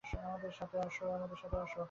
আমাদের সাথে আসো?